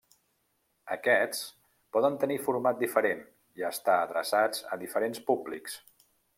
Aquests poden tenir format diferent i estar adreçats a diferents públics.